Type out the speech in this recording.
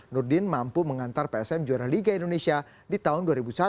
nurdin mampu mengantar psm juara liga indonesia di tahun dua ribu satu